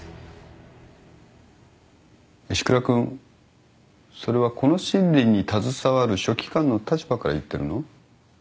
石倉君それはこの審理に携わる書記官の立場から言ってるの？